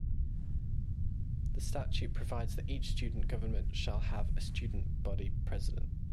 The statute provides that each student government shall have a "student body president".